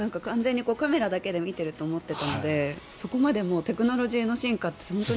カメラだけで見ていると思ったのでそこまでもテクノロジーの進化って。